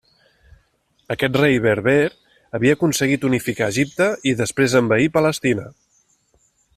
Aquest rei berber havia aconseguit unificar Egipte i després envair Palestina.